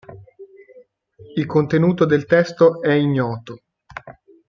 Il contenuto del testo è ignoto.